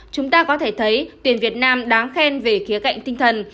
chúng ta có thể thấy tuyển việt nam đáng khen về khía cạnh tinh thần